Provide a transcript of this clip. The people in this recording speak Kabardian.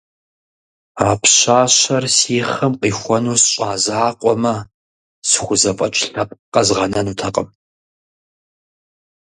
А пщащэр си хъым къихуэну сщӀэ закъуэмэ, схузэфӀэкӀ лъэпкъ къэзгъэнэнутэкъым.